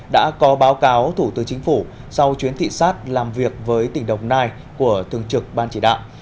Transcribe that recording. đã có báo cáo thủ tướng chính phủ sau chuyến thị xác làm việc với tỉnh đồng nai của thường trực ban chỉ đạo